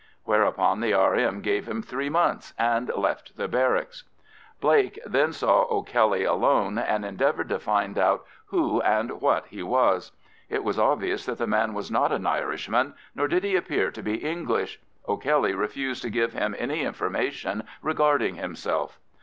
Whereupon the R.M. gave him three months and left the barracks. Blake then saw O'Kelly alone, and endeavoured to find out who and what he was. It was obvious that the man was not an Irishman, nor did he appear to be English. O'Kelly refused to give him any information regarding himself.